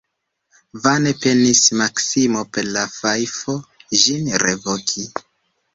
Vane penis Maksimo per fajfo ĝin revoki.